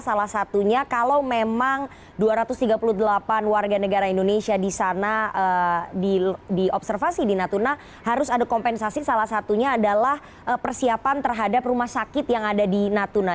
salah satunya kalau memang dua ratus tiga puluh delapan warga negara indonesia di sana diobservasi di natuna harus ada kompensasi salah satunya adalah persiapan terhadap rumah sakit yang ada di natuna